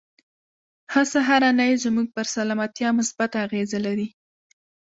ښه سهارنۍ زموږ پر سلامتيا مثبته اغېزه لري.